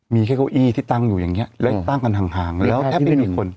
มีแค่เก้าอี้ที่ตั้งอยู่อย่างนี้แล้วตั้งกันห่างแล้วแทบไม่มีคน